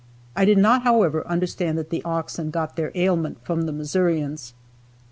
I did not, however, understand that the oxen got their ailment from the Missourians.